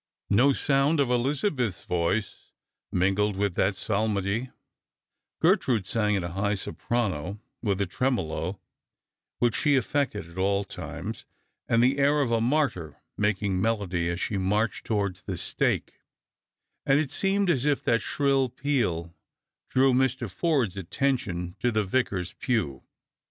No sound of Elizabeth's voice min gled with that psalmody; Gertnide sang in a high soprano, with a tremolo which she affected at all times, and the air of a martyr making melody as she marched towards the stake; and it seemed as if that shrill peal drew Mr. Forde'a attention to the Vicar's pew.